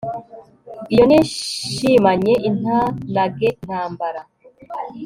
iyo nishimanye intanage intambara